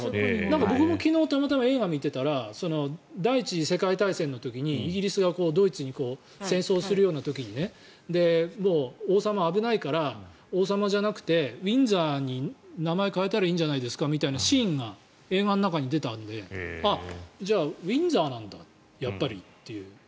僕も昨日たまたま映画を見ていたら第１次世界大戦の時にイギリスがドイツに戦争をするような時に王様、危ないから王様じゃなくてウィンザーに名前を変えたらいいんじゃないですかみたいなシーンが映画の中に出ていたのでじゃあ、ウィンザーなんだやっぱりっていう。